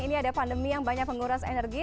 ini ada pandemi yang banyak menguras energi